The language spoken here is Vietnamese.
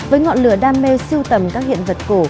với ngọn lửa đam mê siêu tầm các hiện vật cổ